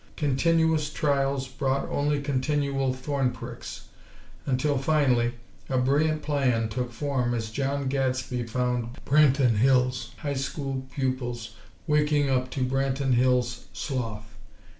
Continuous trials brought only continual thorn pricks; until, finally, a brilliant plan took form as John Gadsby found Branton Hills' High School pupils waking up to Branton Hills' sloth.